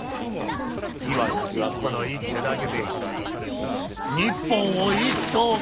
岩崎はこの一手だけで日本を一等国にするき。